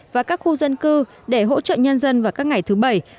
và các khu dân cư để hỗ trợ nhân dân vào các ngày thứ bảy